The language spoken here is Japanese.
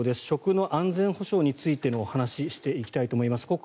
食の安全保障についてのお話をしていきたいと思います。